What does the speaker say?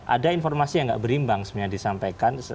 ada informasi yang tidak berimbang sebenarnya disampaikan